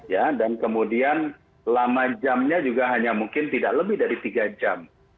ya dan kemudian lama jamnya juga hanya mungkin tidak lebih dari tiga jam